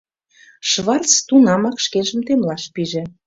Шварц тунамак шкенжым темлаш пиже.